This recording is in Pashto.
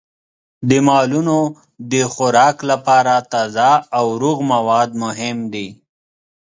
د مالونو د خوراک لپاره تازه او روغ مواد مهم دي.